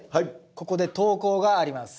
ここで投稿があります。